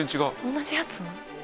同じやつ？